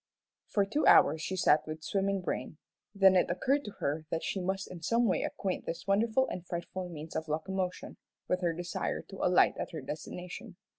For two hours she sat with swimming brain, then it occurred to her that she must in some way acquaint this wonderful and frightful means of locomotion, with her desire to alight at her destination.